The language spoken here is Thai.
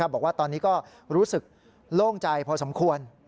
บอกว่าตอนนี้ก็รู้สึกโล่งใจพอสมควร